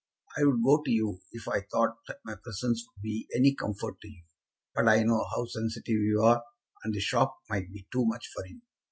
I would go to you if I thought that my presence would be any comfort to you, but I know how sensitive you are, and the shock might be too much for you.